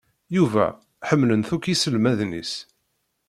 Yuba, ḥemmlen-t akk yiselmaden-is